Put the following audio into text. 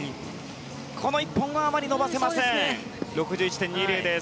この１本はあまり伸ばせません６１．２０です。